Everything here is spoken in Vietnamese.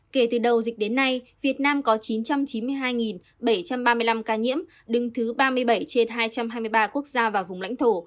kể từ đầu dịch đến nay việt nam có chín trăm chín mươi hai bảy trăm ba mươi năm ca nhiễm đứng thứ ba mươi bảy trên hai trăm hai mươi ba quốc gia và vùng lãnh thổ